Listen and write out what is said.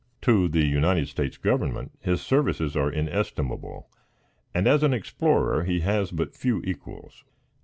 To the United States Government his services are inestimable; and, as an explorer, he has but few equals.